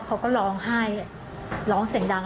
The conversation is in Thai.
เขาก็ร้องไห้ร้องเสียงดัง